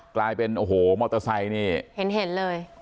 กลายเป็นโอ้โหมอเตอร์ไซค์นี่เห็นเลย